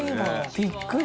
びっくり。